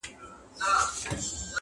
-د خدای د پاره کابل مه ورانوی-